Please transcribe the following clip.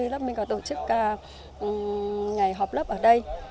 ba mươi bốn lớp mình có tổ chức ngày họp lớp ở đây